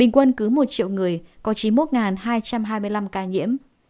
bình quân cứ một triệu người có chín mươi một hai trăm hai mươi năm ca nhiễm